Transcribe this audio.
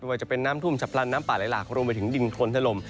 ว่าจะเป็นน้ำทุ่มฉับพลันน้ำป่าไหลหลากรวมไปถึงดินทนถล่ม